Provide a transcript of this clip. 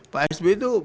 pak sby itu